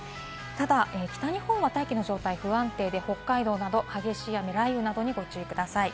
ただ北日本は大気の状態が不安定で北海道など激しい雷雨などにご注意ください。